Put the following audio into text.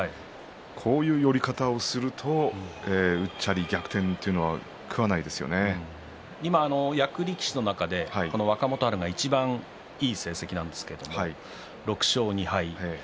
こういう寄り方をするとうっちゃり逆転というのは役力士の中で若元春がいちばんいい成績なんですが６勝２敗。